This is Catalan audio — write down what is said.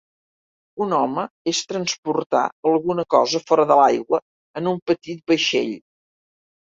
Un home és transportar alguna cosa fora de l'aigua en un petit vaixell